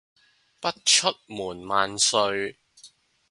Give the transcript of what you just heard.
不出門萬歲